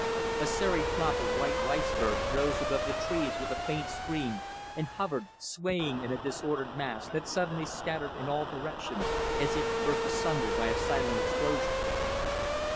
A serried flock of white rice birds rose above the trees with a faint scream, and hovered, swaying in a disordered mass that suddenly scattered in all directions, as if burst asunder by a silent explosion.